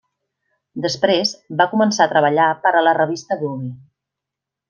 Després, va començar a treballar per a la revista Vogue.